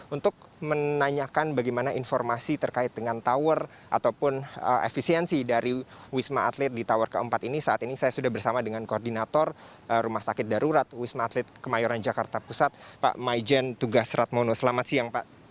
untuk menanyakan bagaimana informasi terkait dengan tower ataupun efisiensi dari wisma atlet di tower keempat ini saat ini saya sudah bersama dengan koordinator rumah sakit darurat wisma atlet kemayoran jakarta pusat pak maijen tugas ratmono selamat siang pak